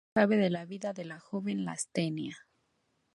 Poco se sabe de la vida de la joven Lastenia.